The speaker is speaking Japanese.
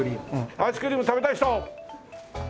アイスクリーム食べたい人！